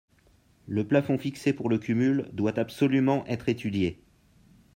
Le plafond fixé pour le cumul doit absolument être étudié.